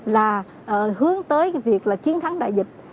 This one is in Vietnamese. là hướng tới việc là chiến thắng đại dịch